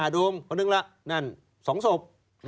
โดมเขานึกละนั่น๒ศพ